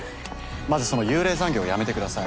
まずその幽霊残業をやめてください。